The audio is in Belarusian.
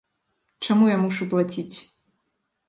Чаму я мушу плаціць?